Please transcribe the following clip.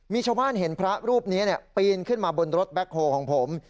มีชาวบ้านเห็นพระรูปนี้ปีนขึ้นมาบนรถแบ็คโฮลของผม